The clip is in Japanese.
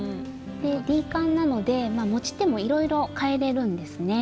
Ｄカンなので持ち手もいろいろかえれるんですね。